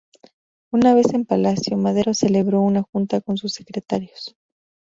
Una vez en Palacio, Madero celebró una junta con sus secretarios.